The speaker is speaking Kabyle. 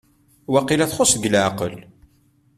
Waqila txuṣ deg leɛqel?